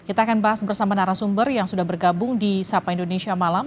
kita akan bahas bersama narasumber yang sudah bergabung di sapa indonesia malam